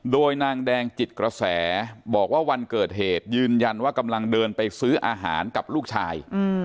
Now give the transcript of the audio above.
โดยนางแดงจิตกระแสบอกว่าวันเกิดเหตุยืนยันว่ากำลังเดินไปซื้ออาหารกับลูกชาย